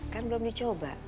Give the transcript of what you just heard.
kan belum dicoba